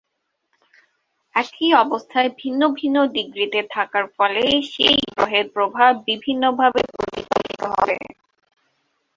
একই অবস্থায় ভিন্ন ভিন্ন ডিগ্রিতে থাকার ফলে সেই গ্রহের প্রভাব বিভিন্নভাবে প্রতিফলিত হবে।